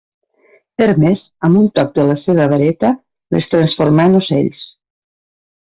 Hermes, amb un toc de la seva vareta, les transformà en ocells.